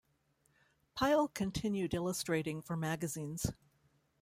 Pyle continued illustrating for magazines.